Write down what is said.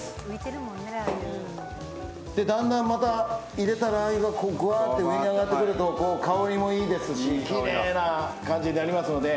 だんだん、また入れたラー油がぐわーって上に上がってくると香りもいいですしきれいな感じになりますので。